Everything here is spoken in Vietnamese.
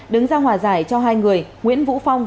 đứng ra hòa giải cho hai người nguyễn vũ phong